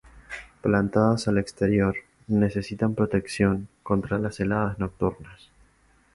Plantadas al exterior, necesitan protección contra las heladas nocturnas.